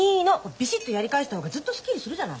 ビシッとやり返した方がずっとすっきりするじゃない。